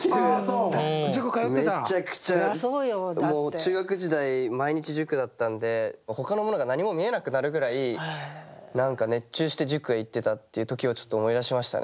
中学時代毎日塾だったんでほかのものが何も見えなくなるぐらい熱中して塾へ行ってたっていう時をちょっと思い出しましたね